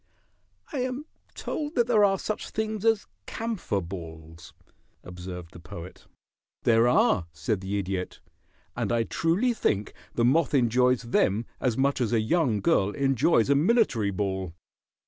"I am told that there are such things as camphor balls," observed the Poet. "There are," said the Idiot. "And I truly think the moth enjoys them as much as a young girl enjoys a military ball.